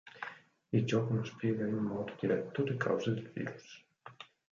Il gioco non spiega in modo diretto le cause del virus.